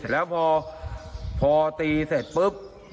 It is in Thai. แล้วพอตีเสร็จปุ๊บ